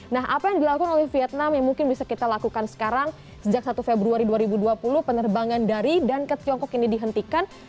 nah apa yang dilakukan oleh vietnam yang mungkin bisa kita lakukan sekarang sejak satu februari dua ribu dua puluh penerbangan dari dan ke tiongkok ini dihentikan